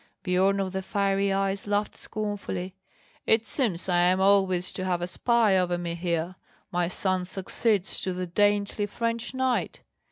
Biorn of the Fiery Eyes laughed scornfully: "It seems I am always to have a spy over me here; my son succeeds to the dainty French knight!"